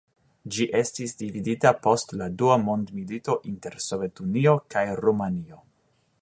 Ĝi estis dividita post la dua mondmilito inter Sovetunio kaj Rumanio.